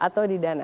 atau di dana